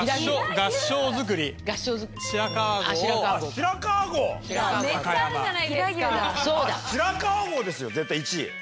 白川郷ですよ絶対１位。